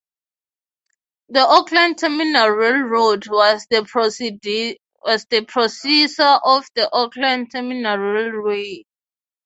The Oakland Terminal "Railroad" was the predecessor of the Oakland Terminal Railway.